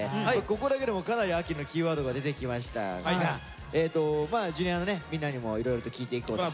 ここだけでもかなり「秋」のキーワードが出てきましたがＪｒ．のみんなにもいろいろと聞いていこうと思いますんでお願いします。